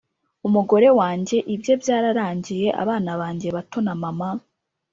Umugore wange ibye byararangiye abana bange bato na mama